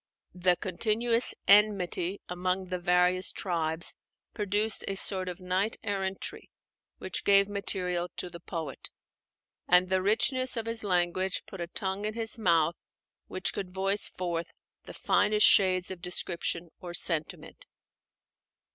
The continuous enmity among the various tribes produced a sort of knight errantry which gave material to the poet; and the richness of his language put a tongue in his mouth which could voice forth the finest shades of description or sentiment.